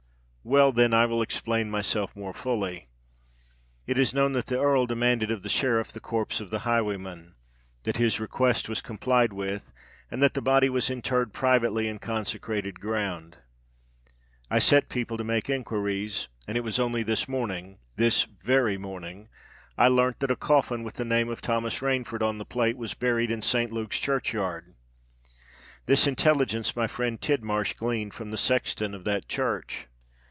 Well, then I will explain myself more fully. It is known that the Earl demanded of the Sheriff the corpse of the highwayman—that his request was complied with—and that the body was interred privately in consecrated ground. I set people to make enquiries; and it was only this morning—this very morning—I learnt that a coffin, with the name of THOMAS RAINFORD on the plate, was buried in Saint Luke's churchyard. This intelligence my friend Tidmarsh gleaned from the sexton of that church.